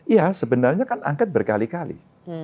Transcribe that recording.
iya sebenarnya kan angkat berkali kali